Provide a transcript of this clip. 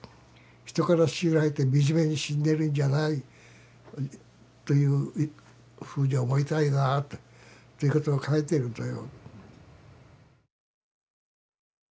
人から強いられて惨めに死んでるんじゃないというふうに思いたいなっていうことを書いてるんだよ。